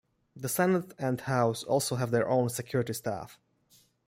The Senate and House also have their own security staff.